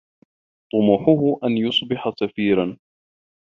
طموحه أن يصبح سفيرا.